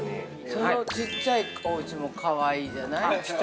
◆そのちっちゃいおうちもかわいいじゃない。